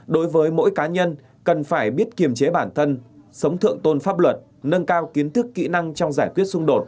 đối với mỗi cá nhân cần phải biết kiềm chế bản thân sống thượng tôn pháp luật nâng cao kiến thức kỹ năng trong giải quyết xung đột